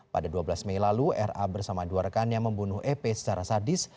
pada dua belas mei lalu ra bersama dua rekannya membunuh ep secara sadis